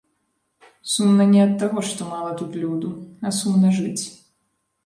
Сумна не ад таго, што мала тут люду, а сумна жыць.